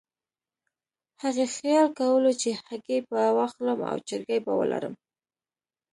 هغې خیال کولو چې هګۍ به واخلم او چرګې به ولرم.